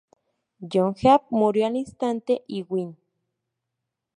John Heap murió al instante y Win.